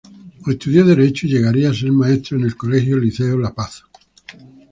Estudió Derecho y llegaría a ser maestro en el colegio "Liceo "La Paz"".